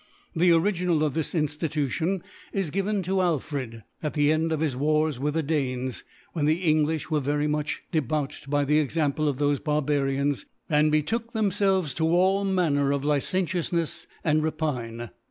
The Original of this Ir^ftitution is given to Alfred^ at the End of his Wars with the "Danes^ when thtf^ Engtiftf were very much debauched by the Example of thofe Barbarians, and betook themfelves to all Manner of Licentioufnefs and Rapine.